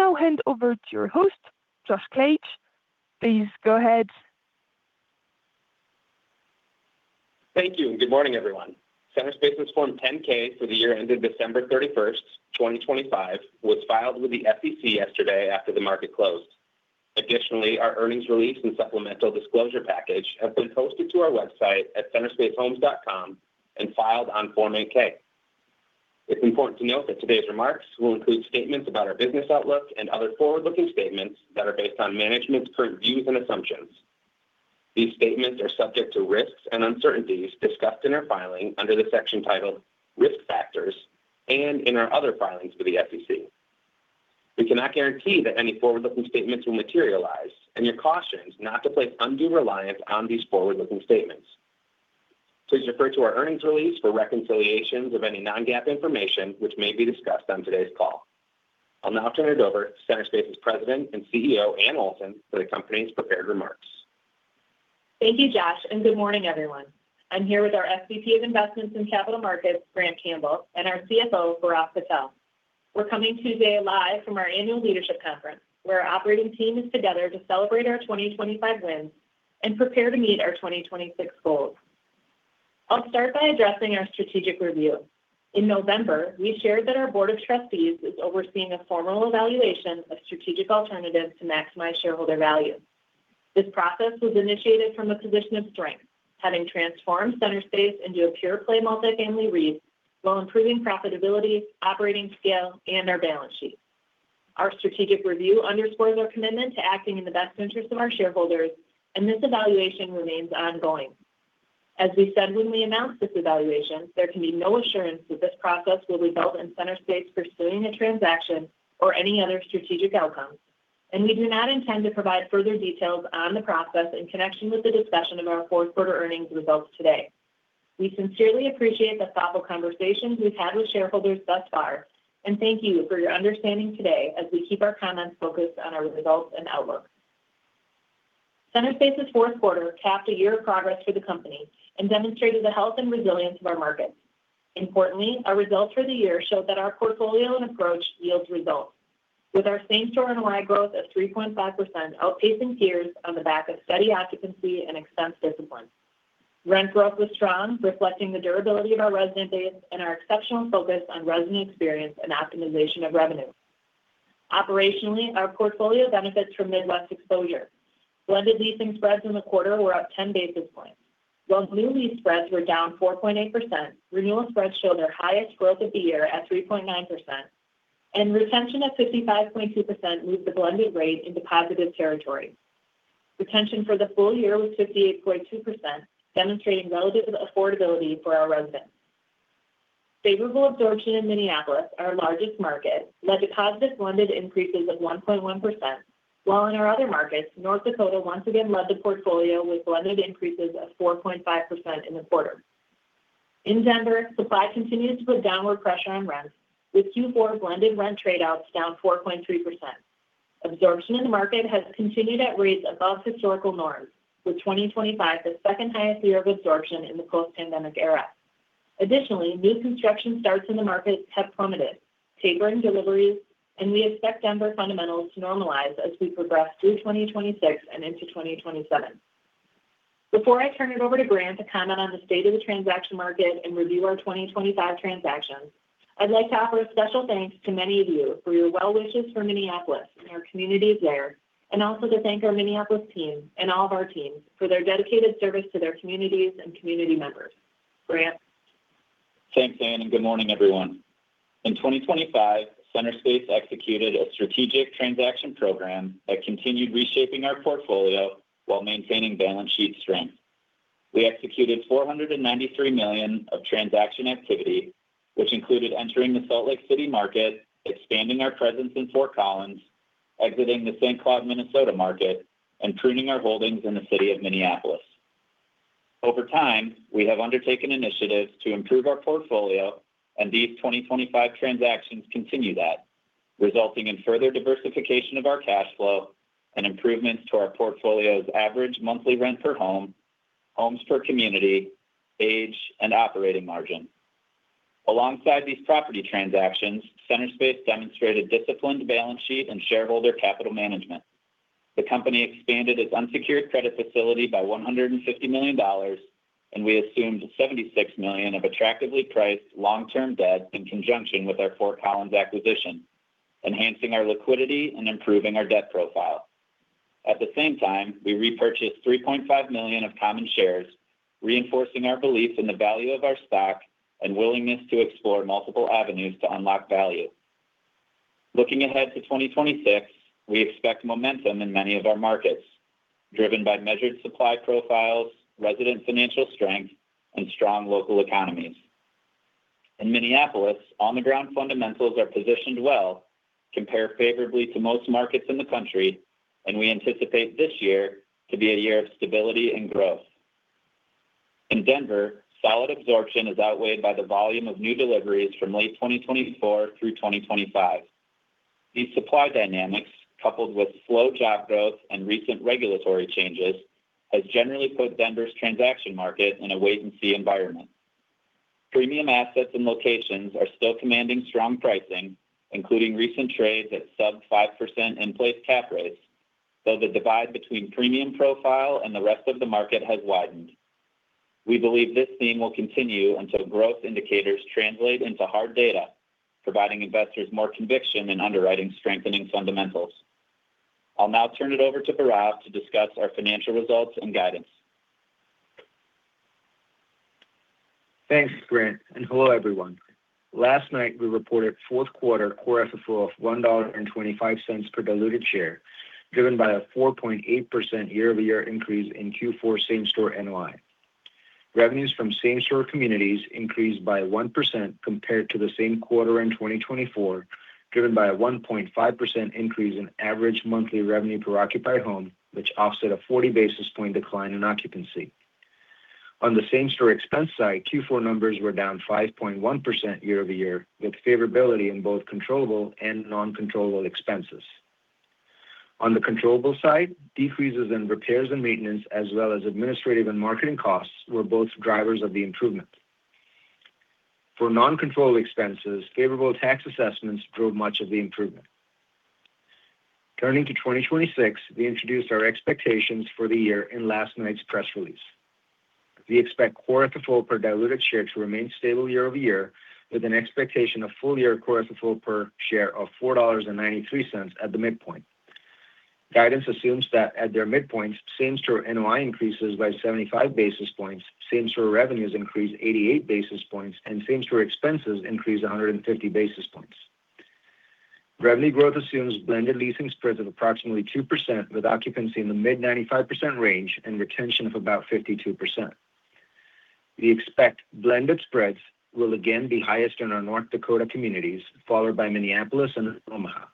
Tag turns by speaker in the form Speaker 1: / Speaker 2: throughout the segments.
Speaker 1: I will now hand over to your host, Josh Klaetsch. Please go ahead.
Speaker 2: Thank you, and good morning, everyone. Centerspace's Form 10-K for the year ended December 31, 2025, was filed with the SEC yesterday after the market closed. Additionally, our earnings release and supplemental disclosure package have been posted to our website at centerspacehomes.com and filed on Form 8-K. It's important to note that today's remarks will include statements about our business outlook and other forward-looking statements that are based on management's current views and assumptions. These statements are subject to risks and uncertainties discussed in our filing under the section titled Risk Factors and in our other filings with the SEC. We cannot guarantee that any forward-looking statements will materialize, and you're cautioned not to place undue reliance on these forward-looking statements. Please refer to our earnings release for reconciliations of any Non-GAAP information which may be discussed on today's call. I'll now turn it over to Centerspace's President and CEO, Anne Olson, for the company's prepared remarks.
Speaker 3: Thank you, Josh, and good morning, everyone. I'm here with our SVP of Investments in Capital Markets, Grant Campbell, and our CFO, Bhairav Patel. We're coming to you today live from our annual leadership conference, where our operating team is together to celebrate our 2025 wins and prepare to meet our 2026 goals. I'll start by addressing our strategic review. In November, we shared that our board of trustees is overseeing a formal evaluation of strategic alternatives to maximize shareholder value. This process was initiated from a position of strength, having transformed Centerspace into a pure-play multifamily REIT while improving profitability, operating scale, and our balance sheet. Our strategic review underscores our commitment to acting in the best interests of our shareholders, and this evaluation remains ongoing. As we said when we announced this evaluation, there can be no assurance that this process will result in Centerspace pursuing a transaction or any other strategic outcome, and we do not intend to provide further details on the process in connection with the discussion of our fourth quarter earnings results today. We sincerely appreciate the thoughtful conversations we've had with shareholders thus far, and thank you for your understanding today as we keep our comments focused on our results and outlook. Centerspace's fourth quarter capped a year of progress for the company and demonstrated the health and resilience of our markets. Importantly, our results for the year showed that our portfolio and approach yields results, with our same-store NOI growth of 3.5% outpacing peers on the back of steady occupancy and expense discipline. Rent growth was strong, reflecting the durability of our resident base and our exceptional focus on resident experience and optimization of revenue. Operationally, our portfolio benefits from Midwest exposure. Blended leasing spreads in the quarter were up 10 basis points. While new lease spreads were down 4.8%, renewal spreads showed their highest growth of the year at 3.9%, and retention at 55.2% moved the blended rate into positive territory. Retention for the full year was 58.2%, demonstrating relative affordability for our residents. Favorable absorption in Minneapolis, our largest market, led to positive blended increases of 1.1%, while in our other markets, North Dakota once again led the portfolio with blended increases of 4.5% in the quarter. In Denver, supply continues to put downward pressure on rents, with Q4 blended rent trade outs down 4.3%. Absorption in the market has continued at rates above historical norms, with 2025 the second highest year of absorption in the post-pandemic era. Additionally, new construction starts in the market have plummeted, tapering deliveries, and we expect Denver fundamentals to normalize as we progress through 2026 and into 2027. Before I turn it over to Grant to comment on the state of the transaction market and review our 2025 transactions, I'd like to offer a special thanks to many of you for your well wishes for Minneapolis and our communities there, and also to thank our Minneapolis team and all of our teams for their dedicated service to their communities and community members. Grant?
Speaker 4: Thanks, Anne, and good morning, everyone. In 2025, Centerspace executed a strategic transaction program that continued reshaping our portfolio while maintaining balance sheet strength. We executed $493 million of transaction activity, which included entering the Salt Lake City market, expanding our presence in Fort Collins, exiting the St. Cloud, Minnesota market, and pruning our holdings in the city of Minneapolis. Over time, we have undertaken initiatives to improve our portfolio, and these 2025 transactions continue that, resulting in further diversification of our cash flow and improvements to our portfolio's average monthly rent per home, homes per community, age, and operating margin. Alongside these property transactions, Centerspace demonstrated disciplined balance sheet and shareholder capital management. The company expanded its unsecured credit facility by $150 million, and we assumed $76 million of attractively priced long-term debt in conjunction with our Fort Collins acquisition, enhancing our liquidity and improving our debt profile. At the same time, we repurchased 3.5 million of common shares, reinforcing our belief in the value of our stock and willingness to explore multiple avenues to unlock value. Looking ahead to 2026, we expect momentum in many of our markets, driven by measured supply profiles, resident financial strength, and strong local economies. In Minneapolis, on-the-ground fundamentals are positioned well, compare favorably to most markets in the country, and we anticipate this year to be a year of stability and growth. In Denver, solid absorption is outweighed by the volume of new deliveries from late 2024 through 2025. These supply dynamics, coupled with slow job growth and recent regulatory changes, has generally put Denver's transaction market in a wait-and-see environment.... Premium assets and locations are still commanding strong pricing, including recent trades at sub 5% in-place cap rates, though the divide between premium profile and the rest of the market has widened. We believe this theme will continue until growth indicators translate into hard data, providing investors more conviction in underwriting strengthening fundamentals. I'll now turn it over to Bhairav to discuss our financial results and guidance.
Speaker 5: Thanks, Grant, and hello, everyone. Last night, we reported fourth quarter Core FFO of $1.25 per diluted share, driven by a 4.8% year-over-year increase in Q4 same-store NOI. Revenues from same-store communities increased by 1% compared to the same quarter in 2024, driven by a 1.5% increase in average monthly revenue per occupied home, which offset a 40 basis point decline in occupancy. On the same-store expense side, Q4 numbers were down 5.1% year-over-year, with favorability in both controllable and non-controllable expenses. On the controllable side, decreases in repairs and maintenance, as well as administrative and marketing costs, were both drivers of the improvement. For non-controlled expenses, favorable tax assessments drove much of the improvement. Turning to 2026, we introduced our expectations for the year in last night's press release. We expect Core FFO per diluted share to remain stable year-over-year, with an expectation of full-year Core FFO per share of $4.93 at the midpoint. Guidance assumes that at their midpoints, same-store NOI increases by 75 basis points, same-store revenues increase 88 basis points, and same-store expenses increase 150 basis points. Revenue growth assumes blended leasing spreads of approximately 2%, with occupancy in the mid-95% range and retention of about 52%. We expect blended spreads will again be highest in our North Dakota communities, followed by Minneapolis and Omaha.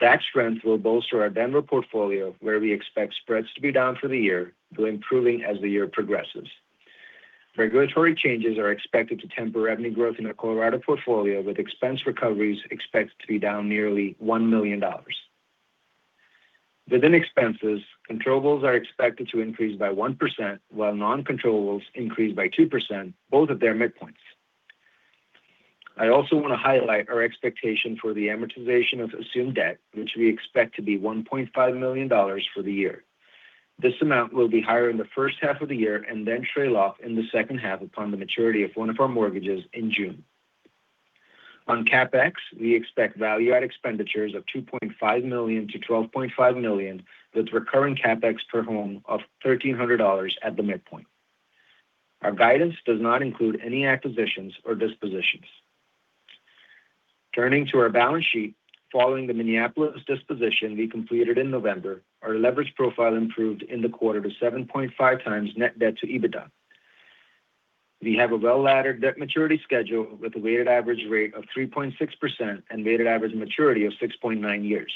Speaker 5: That strength will bolster our Denver portfolio, where we expect spreads to be down for the year, though improving as the year progresses. Regulatory changes are expected to temper revenue growth in our Colorado portfolio, with expense recoveries expected to be down nearly $1 million. Within expenses, controllables are expected to increase by 1%, while non-controllables increase by 2%, both at their midpoints. I also want to highlight our expectation for the amortization of assumed debt, which we expect to be $1.5 million for the year. This amount will be higher in the first half of the year and then trail off in the second half upon the maturity of one of our mortgages in June. On CapEx, we expect value-add expenditures of $2.5 million-$12.5 million, with recurring CapEx per home of $1,300 at the midpoint. Our guidance does not include any acquisitions or dispositions. Turning to our balance sheet, following the Minneapolis disposition we completed in November, our leverage profile improved in the quarter to 7.5x net debt to EBITDA. We have a well-laddered debt maturity schedule with a weighted average rate of 3.6% and weighted average maturity of 6.9 years.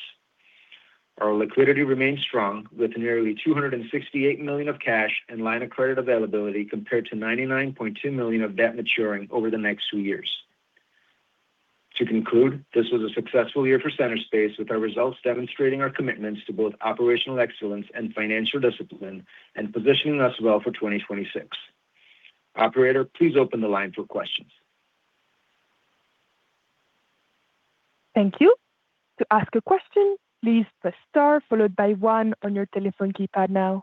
Speaker 5: Our liquidity remains strong, with nearly $268 million of cash and line of credit availability, compared to $99.2 million of debt maturing over the next two years. To conclude, this was a successful year for Centerspace, with our results demonstrating our commitments to both operational excellence and financial discipline and positioning us well for 2026. Operator, please open the line for questions.
Speaker 1: Thank you. To ask a question, please press Star followed by one on your telephone keypad now.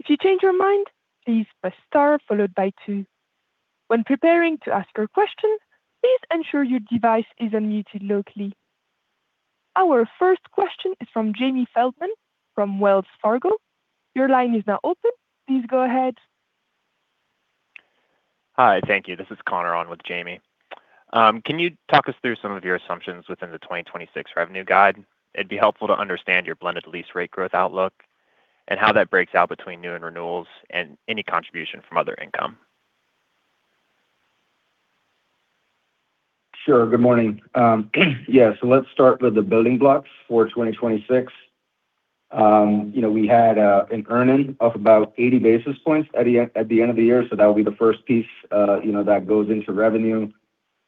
Speaker 1: If you change your mind, please press Star followed by two. When preparing to ask your question, please ensure your device is unmuted locally. Our first question is from Jamie Feldman from Wells Fargo. Your line is now open. Please go ahead.
Speaker 6: Hi, thank you. This is Connor on with Jamie. Can you talk us through some of your assumptions within the 2026 revenue guide? It'd be helpful to understand your blended lease rate growth outlook and how that breaks out between new and renewals and any contribution from other income.
Speaker 5: Sure. Good morning. Yeah, so let's start with the building blocks for 2026. You know, we had an earning of about 80 basis points at the end of the year, so that will be the first piece, you know, that goes into revenue.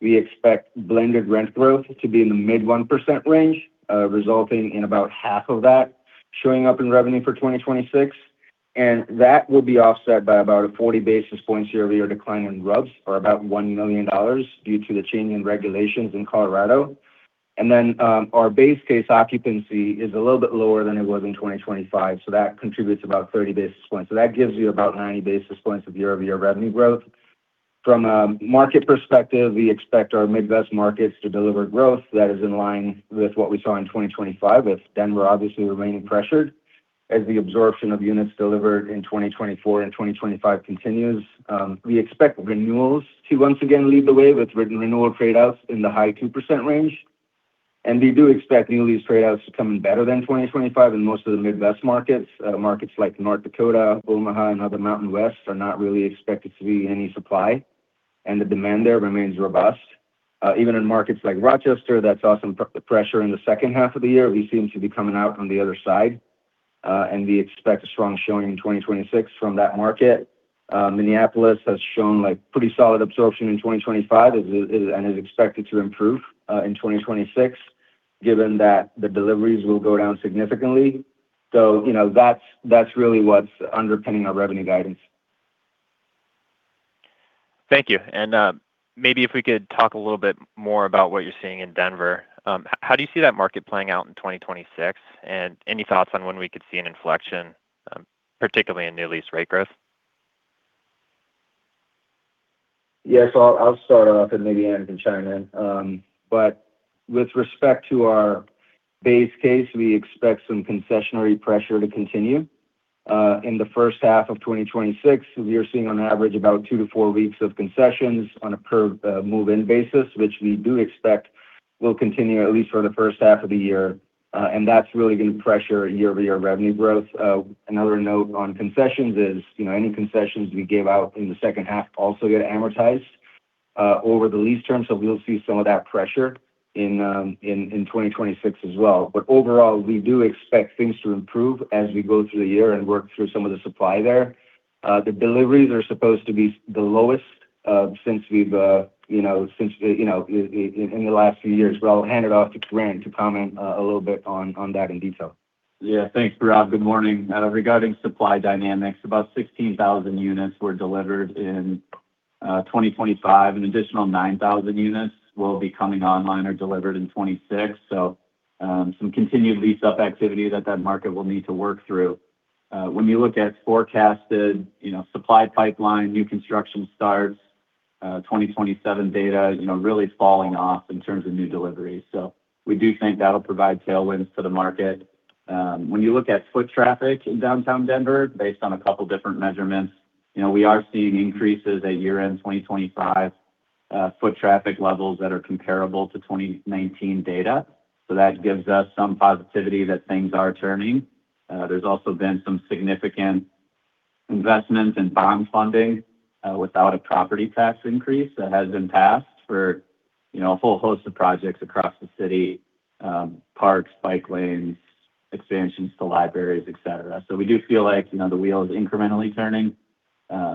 Speaker 5: We expect blended rent growth to be in the mid-1% range, resulting in about half of that showing up in revenue for 2026, and that will be offset by about a 40 basis points year-over-year decline in RUBS, or about $1 million, due to the change in regulations in Colorado. And then, our base case occupancy is a little bit lower than it was in 2025, so that contributes about 30 basis points. So that gives you about 90 basis points of year-over-year revenue growth. From a market perspective, we expect our Midwest markets to deliver growth that is in line with what we saw in 2025, with Denver obviously remaining pressured as the absorption of units delivered in 2024 and 2025 continues. We expect renewals to once again lead the way with renewal trade outs in the high 2% range, and we do expect new lease trade outs to come in better than 2025 in most of the Midwest markets. Markets like North Dakota, Omaha, and other Mountain West are not really expected to be any supply, and the demand there remains robust. Even in markets like Rochester, that saw some pressure in the second half of the year, we seem to be coming out on the other side, and we expect a strong showing in 2026 from that market. Minneapolis has shown, like, pretty solid absorption in 2025 and is expected to improve in 2026, given that the deliveries will go down significantly. So, you know, that's really what's underpinning our revenue guidance.
Speaker 6: Thank you. And, maybe if we could talk a little bit more about what you're seeing in Denver. How do you see that market playing out in 2026? And any thoughts on when we could see an inflection, particularly in new lease rate growth?
Speaker 5: Yes, I'll, I'll start off, and maybe Anne can chime in. But with respect to our base case, we expect some concessionary pressure to continue. In the first half of 2026, we are seeing, on average, about 2-4 weeks of concessions on a per move-in basis, which we do expect will continue at least for the first half of the year. And that's really going to pressure year-over-year revenue growth. Another note on concessions is, you know, any concessions we give out in the second half also get amortized over the lease term, so we'll see some of that pressure in 2026 as well. But overall, we do expect things to improve as we go through the year and work through some of the supply there. The deliveries are supposed to be the lowest since we've, you know, since you know in the last few years. But I'll hand it off to Grant to comment a little bit on that in detail.
Speaker 4: Yeah. Thanks, Rob. Good morning. Regarding supply dynamics, about 16,000 units were delivered in 2025. An additional 9,000 units will be coming online or delivered in 2026. So, some continued lease-up activity that that market will need to work through. When you look at forecasted, you know, supply pipeline, new construction starts, 2027 data, you know, really falling off in terms of new deliveries. So we do think that'll provide tailwinds for the market. When you look at foot traffic in downtown Denver, based on a couple different measurements, you know, we are seeing increases at year-end 2025, foot traffic levels that are comparable to 2019 data. So that gives us some positivity that things are turning. There's also been some significant investment in bond funding, without a property tax increase that has been passed for, you know, a whole host of projects across the city, parks, bike lanes, expansions to libraries, et cetera. So we do feel like, you know, the wheel is incrementally turning,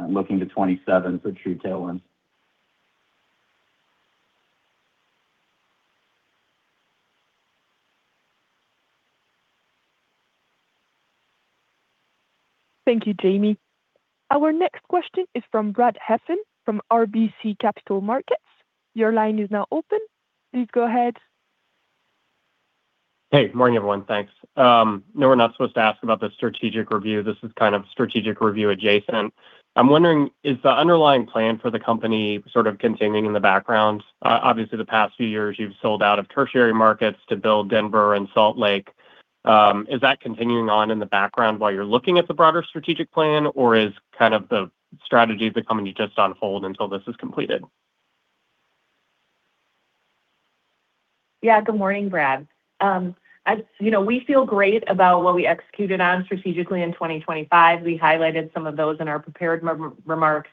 Speaker 4: looking to 2027 for true tailwinds.
Speaker 1: Thank you, Jamie. Our next question is from Brad Heffern from RBC Capital Markets. Your line is now open. Please go ahead.
Speaker 7: Hey, good morning, everyone. Thanks. I know we're not supposed to ask about the strategic review. This is kind of strategic review adjacent. I'm wondering, is the underlying plan for the company sort of continuing in the background? Obviously, the past few years, you've sold out of tertiary markets to build Denver and Salt Lake. Is that continuing on in the background while you're looking at the broader strategic plan, or is kind of the strategies of the company just on hold until this is completed?
Speaker 3: Yeah. Good morning, Brad. As you know, we feel great about what we executed on strategically in 2025. We highlighted some of those in our prepared remarks.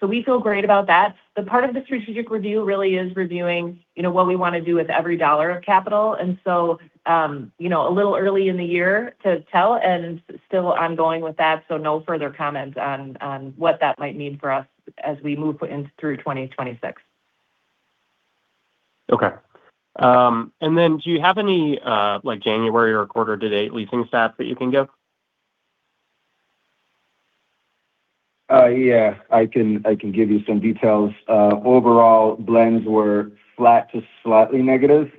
Speaker 3: So we feel great about that. The part of the strategic review really is reviewing, you know, what we want to do with every dollar of capital. And so, you know, a little early in the year to tell, and still ongoing with that, so no further comment on what that might mean for us as we move in through 2026.
Speaker 7: Okay. And then do you have any, like, January or quarter-to-date leasing stats that you can give?
Speaker 5: Yeah, I can give you some details. Overall, blends were flat to slightly negative,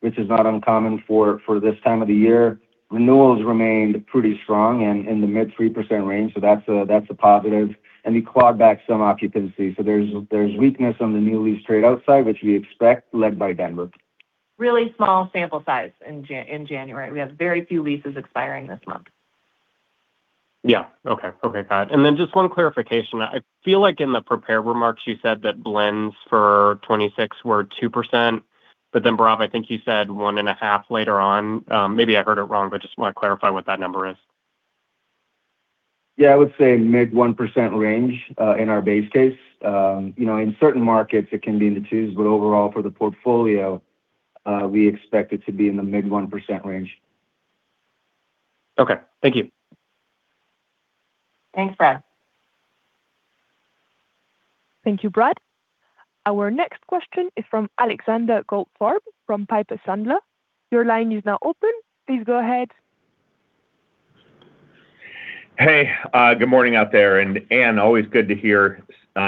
Speaker 5: which is not uncommon for this time of the year. Renewals remained pretty strong and in the mid-3% range, so that's a positive. We clawed back some occupancy, so there's weakness on the new lease rate outside, which we expect, led by Denver.
Speaker 3: Really small sample size in January. We have very few leases expiring this month.
Speaker 7: Yeah. Okay. Okay, got it. And then just one clarification. I feel like in the prepared remarks, you said that blends for 2026 were 2%, but then, Rob, I think you said 1.5% later on. Maybe I heard it wrong, but just want to clarify what that number is.
Speaker 5: Yeah, I would say mid-1% range in our base case. You know, in certain markets it can be in the 2s, but overall, for the portfolio, we expect it to be in the mid-1% range.
Speaker 7: Okay. Thank you.
Speaker 3: Thanks, Brad.
Speaker 1: Thank you, Brad. Our next question is from Alexander Goldfarb from Piper Sandler. Your line is now open. Please go ahead.
Speaker 8: Hey, good morning out there. And Anne, always good to hear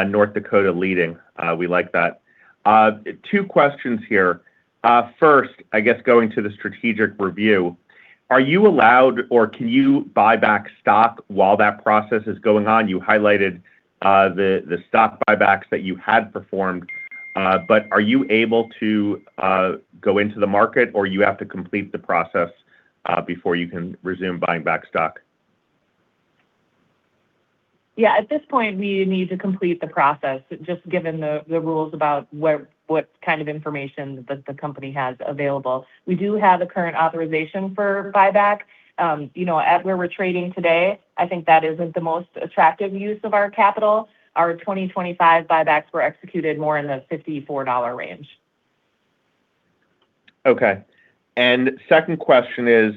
Speaker 8: North Dakota leading. We like that. Two questions here. First, I guess going to the strategic review, are you allowed or can you buy back stock while that process is going on? You highlighted the stock buybacks that you had performed, but are you able to go into the market, or you have to complete the process before you can resume buying back stock?
Speaker 3: Yeah. At this point, we need to complete the process, just given the rules about where—what kind of information that the company has available. We do have a current authorization for buyback. You know, at where we're trading today, I think that isn't the most attractive use of our capital. Our 2025 buybacks were executed more in the $54 range.
Speaker 8: Okay. And second question is,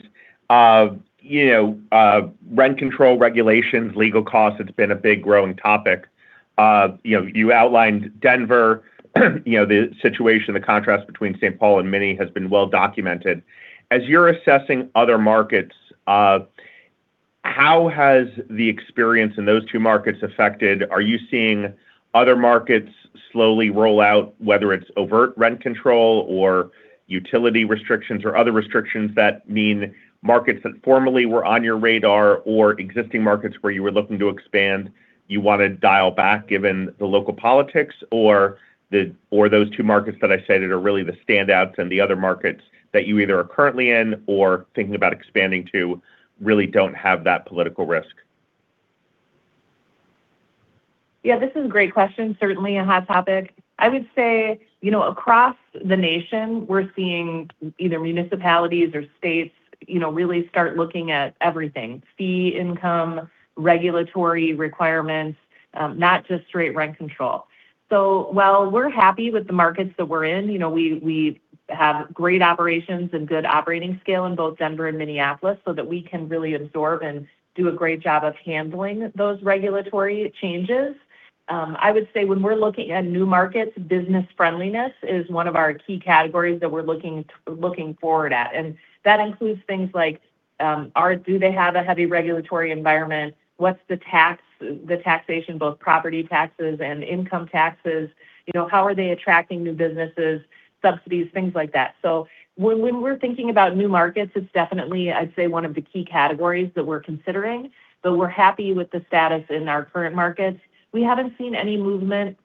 Speaker 8: you know, rent control regulations, legal costs, it's been a big, growing topic. You know, you outlined Denver, you know, the situation, the contrast between St. Paul and Minneapolis has been well documented. As you're assessing other markets, how has the experience in those two markets affected? Are you seeing other markets slowly roll out, whether it's overt rent control or utility restrictions or other restrictions that mean markets that formerly were on your radar or existing markets where you were looking to expand, you want to dial back given the local politics, or those two markets that I said are really the standouts and the other markets that you either are currently in or thinking about expanding to, really don't have that political risk?
Speaker 3: Yeah, this is a great question. Certainly a hot topic. I would say, you know, across the nation, we're seeing either municipalities or states, you know, really start looking at everything: fee income, regulatory requirements, not just straight rent control. So while we're happy with the markets that we're in, you know, we have great operations and good operating scale in both Denver and Minneapolis so that we can really absorb and do a great job of handling those regulatory changes. I would say when we're looking at new markets, business friendliness is one of our key categories that we're looking forward at. And that includes things like, do they have a heavy regulatory environment? What's the tax, the taxation, both property taxes and income taxes? You know, how are they attracting new businesses, subsidies, things like that. So when we're thinking about new markets, it's definitely, I'd say, one of the key categories that we're considering, but we're happy with the status in our current markets. We haven't seen any movement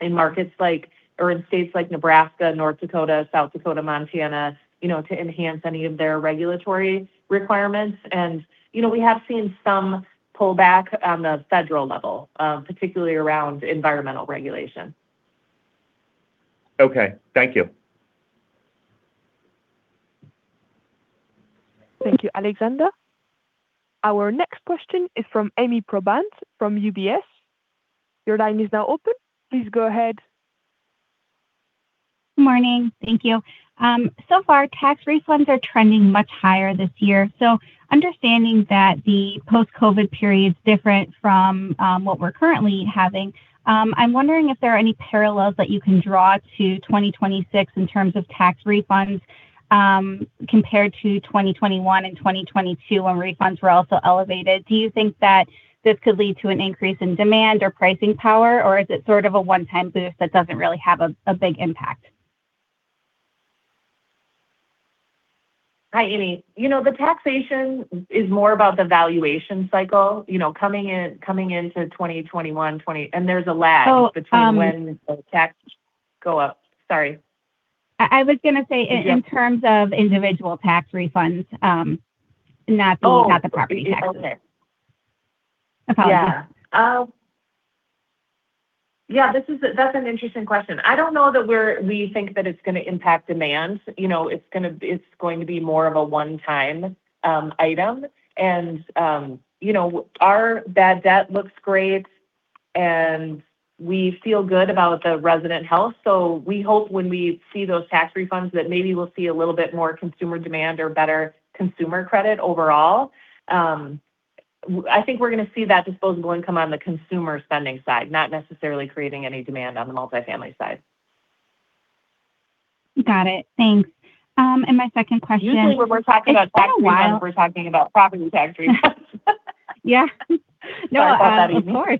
Speaker 3: in markets like, or in states like Nebraska, North Dakota, South Dakota, Montana, you know, to enhance any of their regulatory requirements. And, you know, we have seen some pullback on the federal level, particularly around environmental regulation.
Speaker 8: Okay. Thank you.
Speaker 1: Thank you, Alexander. Our next question is from Ami Probandt, from UBS. Your line is now open. Please go ahead.
Speaker 9: Morning. Thank you. So far, tax refunds are trending much higher this year. So understanding that the post-COVID period is different from what we're currently having, I'm wondering if there are any parallels that you can draw to 2026 in terms of tax refunds, compared to 2021 and 2022, when refunds were also elevated. Do you think that this could lead to an increase in demand or pricing power, or is it sort of a one-time boost that doesn't really have a big impact?
Speaker 3: Hi, Ami. You know, the taxation is more about the valuation cycle, you know, coming in, coming into 2021, 20... And there's a lag between when the tax go up. Sorry.
Speaker 9: I was gonna say in terms of individual tax refunds, not not the property tax. No problem.
Speaker 3: Yeah. Yeah, this is a—that's an interesting question. I don't know that we're, we think that it's gonna impact demand. You know, it's gonna, it's going to be more of a one-time item. And you know, our bad debt looks great, and we feel good about the resident health, so we hope when we see those tax refunds that maybe we'll see a little bit more consumer demand or better consumer credit overall. I think we're gonna see that disposable income on the consumer spending side, not necessarily creating any demand on the multifamily side.
Speaker 9: Got it. Thanks. And my second question-
Speaker 3: Usually, when we're talking about tax, while we're talking about property tax refunds.
Speaker 9: Yeah.
Speaker 3: Sorry about that, Ami.
Speaker 9: Of course.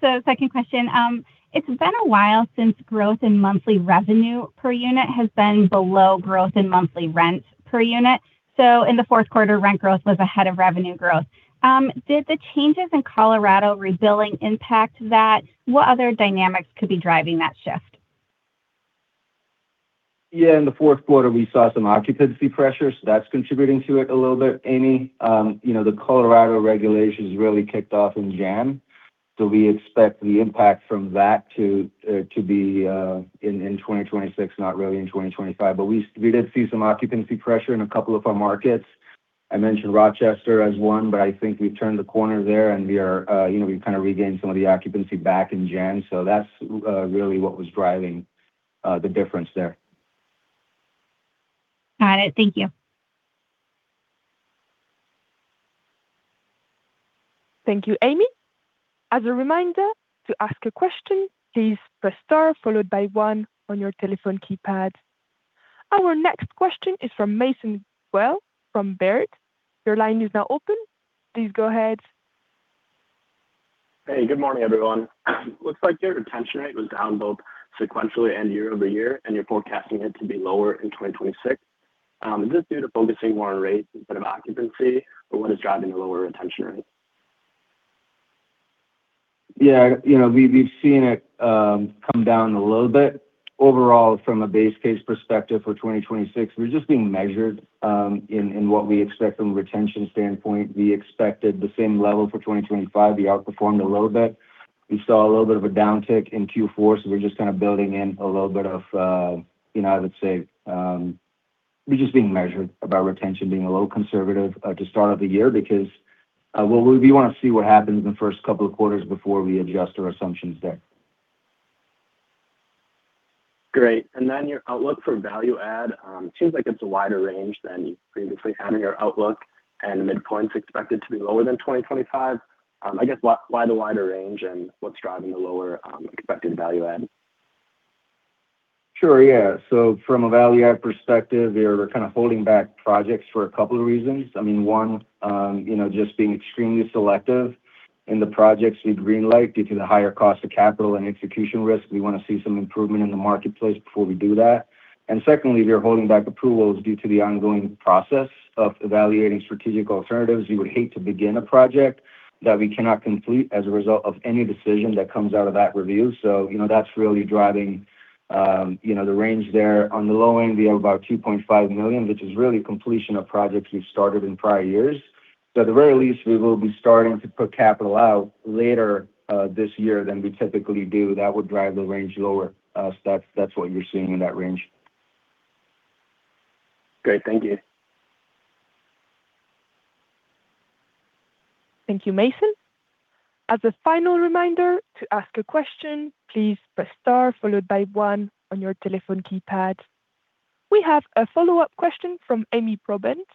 Speaker 9: So, second question. It's been a while since growth in monthly revenue per unit has been below growth in monthly rent per unit. So in the fourth quarter, rent growth was ahead of revenue growth. Did the changes in Colorado rebilling impact that? What other dynamics could be driving that shift?
Speaker 5: Yeah, in the fourth quarter, we saw some occupancy pressure, so that's contributing to it a little bit, Ami. You know, the Colorado regulations really kicked off in January, so we expect the impact from that to be in 2026, not really in 2025. But we did see some occupancy pressure in a couple of our markets. I mentioned Rochester as one, but I think we've turned the corner there and we are... You know, we've kinda regained some of the occupancy back in January, so that's really what was driving the difference there.
Speaker 9: Got it. Thank you.
Speaker 1: Thank you, Ami. As a reminder, to ask a question, please press Star, followed by one on your telephone keypad. Our next question is from Mason Guell, from Baird. Your line is now open. Please go ahead.
Speaker 10: Hey, good morning, everyone. Looks like your retention rate was down both sequentially and year-over-year, and you're forecasting it to be lower in 2026. Is this due to focusing more on rates instead of occupancy, or what is driving the lower retention rate?
Speaker 5: Yeah, you know, we've seen it come down a little bit. Overall, from a base case perspective for 2026, we're just being measured in what we expect from a retention standpoint. We expected the same level for 2025. We outperformed a little bit. We saw a little bit of a downtick in Q4, so we're just kind of building in a little bit of, you know, I would say, we're just being measured about retention, being a little conservative to start of the year because, well, we wanna see what happens in the first couple of quarters before we adjust our assumptions there.
Speaker 10: Great. And then your outlook for value-add, seems like it's a wider range than you previously had in your outlook, and the midpoint's expected to be lower than 2025. I guess, why, why the wider range, and what's driving the lower, expected value-add?
Speaker 5: Sure, yeah. So from a value-add perspective, we're kind of holding back projects for a couple of reasons. I mean, one, you know, just being extremely selective in the projects we greenlight due to the higher cost of capital and execution risk. We wanna see some improvement in the marketplace before we do that. And secondly, we're holding back approvals due to the ongoing process of evaluating strategic alternatives. We would hate to begin a project that we cannot complete as a result of any decision that comes out of that review. So, you know, that's really driving, you know, the range there. On the low end, we have about $2.5 million, which is really completion of projects we've started in prior years. So at the very least, we will be starting to put capital out later, this year than we typically do. That would drive the range lower. So that's what you're seeing in that range.
Speaker 10: Great. Thank you.
Speaker 1: Thank you, Mason Guell. As a final reminder, to ask a question, please press star followed by one on your telephone keypad. We have a follow-up question from Ami Probandt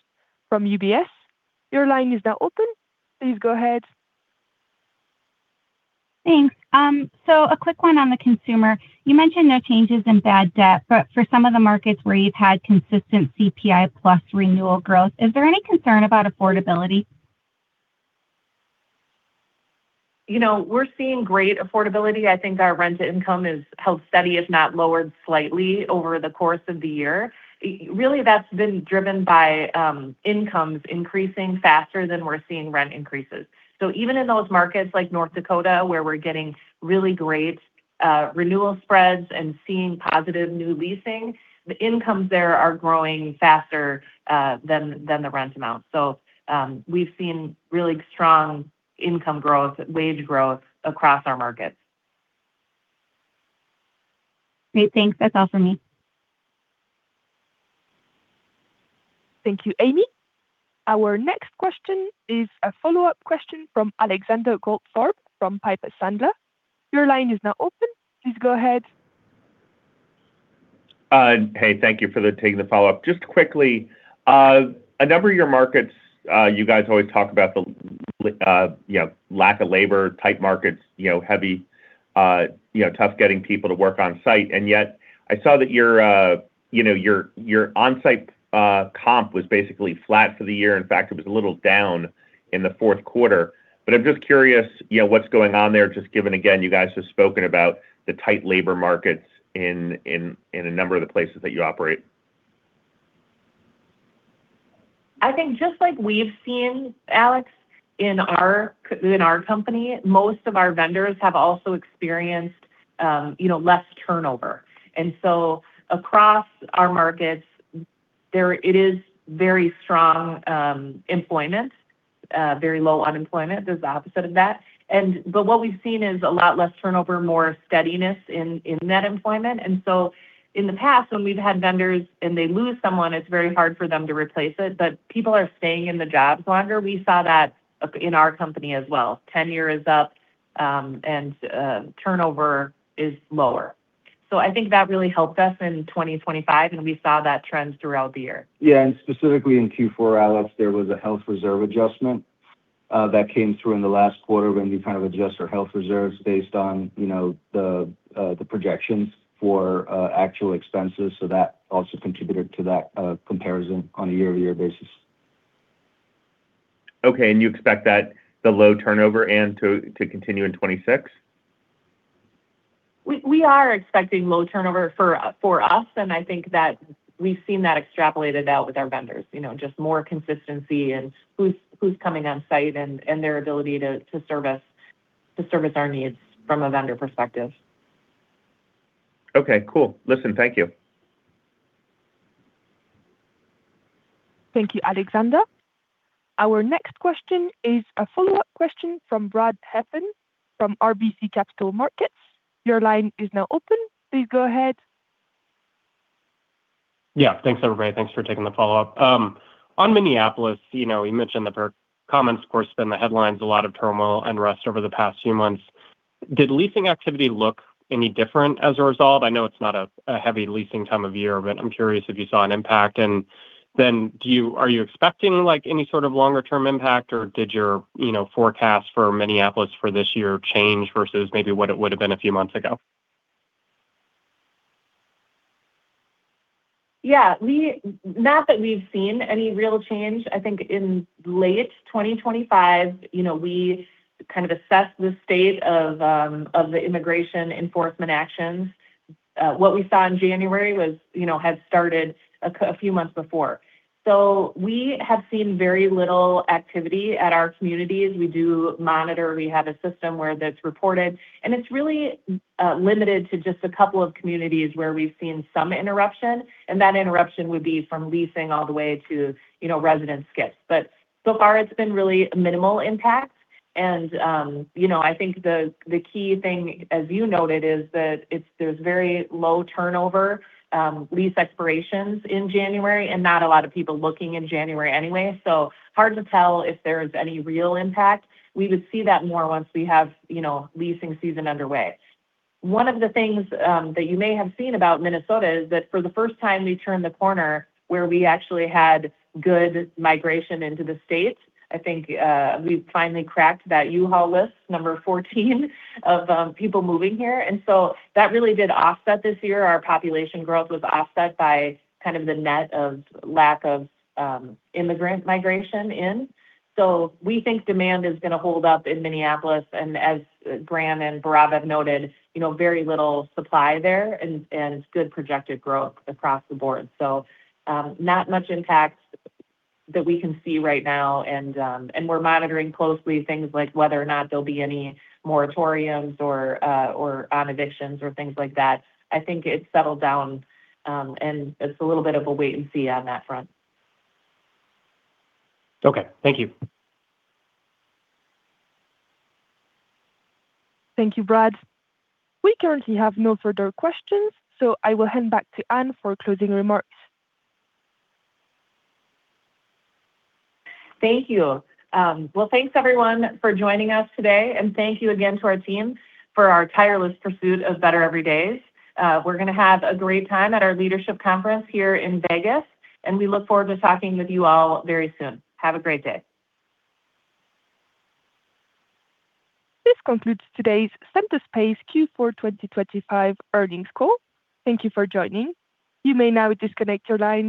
Speaker 1: from UBS. Your line is now open. Please go ahead.
Speaker 9: Thanks. So a quick one on the consumer. You mentioned no changes in bad debt, but for some of the markets where you've had consistent CPI plus renewal growth, is there any concern about affordability?
Speaker 3: You know, we're seeing great affordability. I think our rent-to-income is held steady, if not lowered slightly over the course of the year. Really, that's been driven by, incomes increasing faster than we're seeing rent increases. So even in those markets like North Dakota, where we're getting really great, renewal spreads and seeing positive new leasing, the incomes there are growing faster, than, than the rent amount. So, we've seen really strong income growth, wage growth across our markets.
Speaker 9: Great. Thanks. That's all for me.
Speaker 1: Thank you, Ami. Our next question is a follow-up question from Alexander Goldfarb from Piper Sandler. Your line is now open. Please go ahead.
Speaker 8: Hey, thank you for taking the follow-up. Just quickly, a number of your markets, you guys always talk about the, you know, lack of labor, tight markets, you know, heavy, you know, tough getting people to work on site, and yet I saw that your, you know, your, your on-site, comp was basically flat for the year. In fact, it was a little down in the fourth quarter. But I'm just curious, you know, what's going on there, just given, again, you guys have spoken about the tight labor markets in a number of the places that you operate.
Speaker 3: I think just like we've seen, Alex, in our company, most of our vendors have also experienced, you know, less turnover. And so across our markets, there it is very strong employment, very low unemployment. There's the opposite of that. And but what we've seen is a lot less turnover, more steadiness in that employment. And so in the past, when we've had vendors and they lose someone, it's very hard for them to replace it, but people are staying in the jobs longer. We saw that up in our company as well. Tenure is up, and turnover is lower. So I think that really helped us in 2025, and we saw that trend throughout the year.
Speaker 5: Yeah, and specifically in Q4, Alex, there was a health reserve adjustment that came through in the last quarter when we kind of adjust our health reserves based on, you know, the, the projections for actual expenses. So that also contributed to that comparison on a year-over-year basis.
Speaker 8: Okay, and you expect that the low turnover, Anne, to continue in 2026?
Speaker 3: We are expecting low turnover for us, and I think that we've seen that extrapolated out with our vendors. You know, just more consistency in who's coming on site and their ability to service our needs from a vendor perspective.
Speaker 8: Okay, cool. Listen, thank you.
Speaker 1: Thank you, Alexander. Our next question is a follow-up question from Brad Heffern from RBC Capital Markets. Your line is now open. Please go ahead.
Speaker 7: Yeah. Thanks, everybody. Thanks for taking the follow-up. On Minneapolis, you know, you mentioned the comments, of course, been in the headlines, a lot of turmoil and rest over the past few months. Did leasing activity look any different as a result? I know it's not a heavy leasing time of year, but I'm curious if you saw an impact. And then, do you are you expecting, like, any sort of longer-term impact, or did your, you know, forecast for Minneapolis for this year change versus maybe what it would have been a few months ago?
Speaker 3: Yeah. Not that we've seen any real change. I think in late 2025, you know, we kind of assessed the state of the immigration enforcement actions. What we saw in January, you know, had started a few months before. So we have seen very little activity at our communities. We do monitor. We have a system where that's reported, and it's really limited to just a couple of communities where we've seen some interruption, and that interruption would be from leasing all the way to, you know, resident skips. But so far, it's been really a minimal impact, and, you know, I think the key thing, as you noted, is that it's, there's very low turnover, lease expirations in January, and not a lot of people looking in January anyway. So hard to tell if there is any real impact. We would see that more once we have, you know, leasing season underway. One of the things that you may have seen about Minnesota is that for the first time, we turned the corner where we actually had good migration into the state. I think we finally cracked that U-Haul list, number 14, of people moving here, and so that really did offset this year. Our population growth was offset by kind of the net of lack of immigrant migration in. So we think demand is gonna hold up in Minneapolis, and as Grant and Bhairav noted, you know, very little supply there, and good projected growth across the board. So, not much impact that we can see right now, and we're monitoring closely things like whether or not there'll be any moratoriums or on evictions or things like that. I think it's settled down, and it's a little bit of a wait and see on that front.
Speaker 7: Okay. Thank you.
Speaker 1: Thank you, Brad. We currently have no further questions, so I will hand back to Anne for closing remarks.
Speaker 3: Thank you. Well, thanks everyone for joining us today, and thank you again to our team for our tireless pursuit of better every days. We're gonna have a great time at our leadership conference here in Vegas, and we look forward to talking with you all very soon. Have a great day.
Speaker 1: This concludes today's Centerspace Q4 2025 earnings call. Thank you for joining. You may now disconnect your lines.